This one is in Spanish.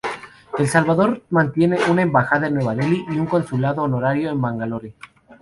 El Salvador mantiene una Embajada en Nueva Delhi y un Consulado Honorario en Bangalore.